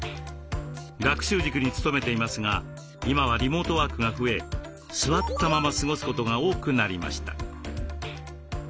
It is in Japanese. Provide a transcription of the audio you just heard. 学習塾に勤めていますが今はリモートワークが増え座ったまま過ごすことが多くなりました。